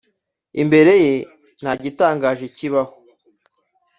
imbere ye, nta gitangaje kibaho.